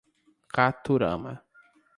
Caturama